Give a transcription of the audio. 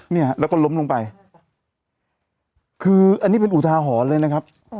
เนี่ยแล้วก็ล้มลงไปคืออันนี้เป็นอุทาหรณ์เลยนะครับ